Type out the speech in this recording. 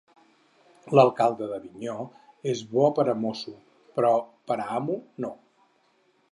L'alcalde d'Avinyó és bo per a mosso, però per a amo, no.